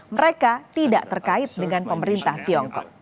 mereka tidak terkait dengan pemerintah tiongkok